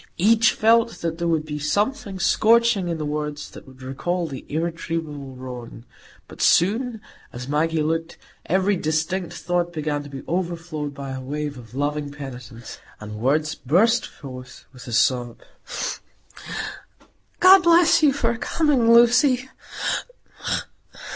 Each felt that there would be something scorching in the words that would recall the irretrievable wrong. But soon, as Maggie looked, every distinct thought began to be overflowed by a wave of loving penitence, and words burst forth with a sob. "God bless you for coming, Lucy."